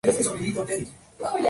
Sin embargo, logró sobrevivir.